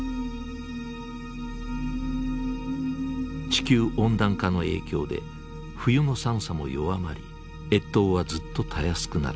地球温暖化の影響で冬の寒さも弱まり越冬はずっとたやすくなった。